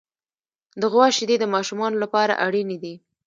د غوا شیدې د ماشومانو لپاره اړینې دي.